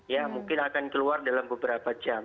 ya mungkin akan keluar dalam beberapa jam